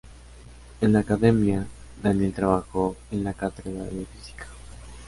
En la Academia, Daniel trabajó en la cátedra de Física.